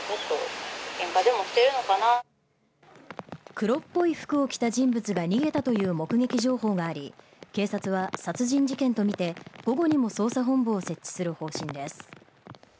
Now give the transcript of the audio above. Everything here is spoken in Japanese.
黒っぽい服を着た人物が逃げたという目撃情報があり、警察は殺人事件とみて、午後にも捜査本部を設置する方針です。